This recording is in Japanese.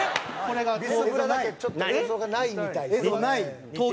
ビスブラだけちょっと映像がないみたいですね。